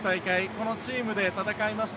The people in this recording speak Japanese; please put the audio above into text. このチームで戦いました。